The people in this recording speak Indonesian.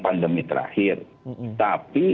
pandemi terakhir tapi